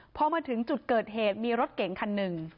พอมาถึงจุดเกิดเหตุมีรถเก๋งคันหนึ่ง